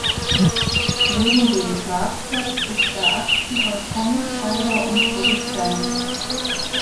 Neben dem Schlagzeug ist er aktiver Songschreiber und Produzent.